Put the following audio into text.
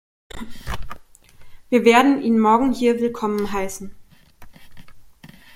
Wir werden ihn morgen hier willkommen heißen.